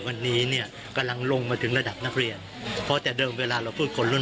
วันนี้เนี่ยกำลังลงมาถึงระดับนักเรียนเพราะแต่เดิมเวลาเราพูดคนรุ่น